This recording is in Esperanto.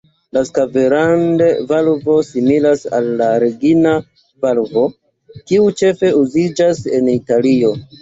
La „Sclaverand“-valvo similas al la "Regina-valvo", kiu ĉefe uziĝas en Italio.